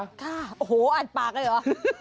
ค่ะโอ้โหอ่านปากเลยเหรอ